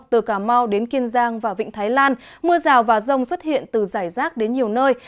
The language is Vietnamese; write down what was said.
từ cà mau đến kiên giang và vịnh thái lan mưa rào và rông xuất hiện từ giải rác đến nhiều nơi